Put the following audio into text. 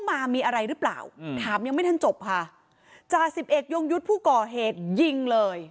มามีอะไรหรือเปล่าอืมถามยังไม่ทันจบค่ะจ่าสิบเอกยงยุทธ์ผู้ก่อเหตุยิงเลย